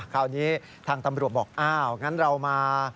คราวนี้ทางตำรวจบอกอ้าวงั้นเรามา